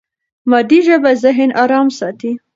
مادي ژبه ذهن ارام ساتي.